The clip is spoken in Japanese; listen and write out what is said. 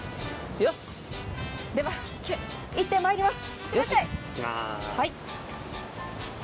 よし、では行ってまいります。